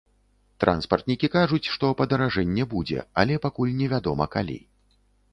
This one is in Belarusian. Транспартнікі кажуць, што падаражэнне будзе, але пакуль невядома калі.